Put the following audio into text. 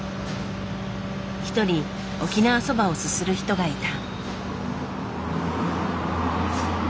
一人沖縄そばをすする人がいた。